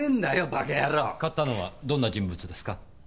⁉買ったのはどんな人物ですか？